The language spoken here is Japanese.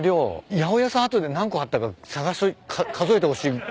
八百屋さん後で何個あったか探し数えてほしい。